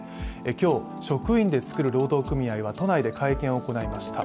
今日、職員で作る労働組合は都内で会見を行いました。